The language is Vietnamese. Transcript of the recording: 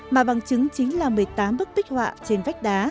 mà bằng chứng chính là một mươi tám bức bích họa trên vách đá